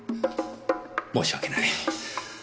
申し訳ない。